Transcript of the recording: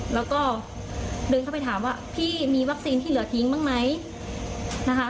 แล้วก็เดินเข้าไปถามว่าพี่มีวัคซีนที่เหลือทิ้งบ้างไหมนะคะ